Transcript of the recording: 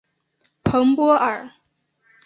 蓬波尔。